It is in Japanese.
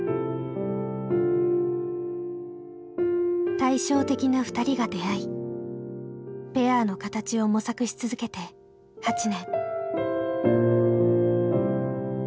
対照的なふたりが出会いペアの形を模索し続けて８年。